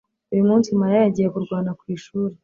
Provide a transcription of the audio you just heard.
Uyu munsi mariya yagiye kurwana ku ishuri